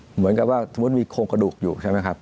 เหมือนกับว่าสมมุติมีโครงกระดูกอยู่ใช่ไหมครับ